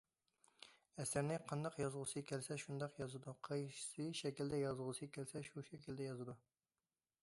ئەسەرنى قانداق يازغۇسى كەلسە شۇنداق يازىدۇ، قايسى شەكىلدە يازغۇسى كەلسە شۇ شەكىلدە يازىدۇ.